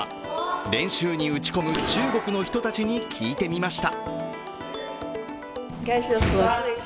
練習に打ち込む中国の人たちに聞いてみました。